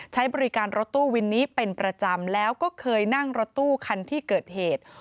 ใช้บริการรถตู้วินนี้เป็นประจำแล้วก็เคยนั่งรถตู้คันที่เกิดเหตุ